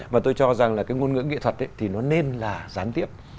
và tôi cho rằng là cái ngôn ngữ nghệ thuật thì nó nên là gián tiếp